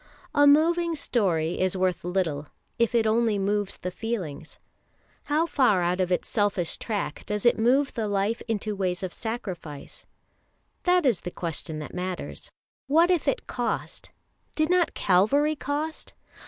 "A moving story" is worth little if it only moves the feelings. How far out of its selfish track does it move the life into ways of sacrifice? That is the question that matters. What if it cost? Did not Calvary cost?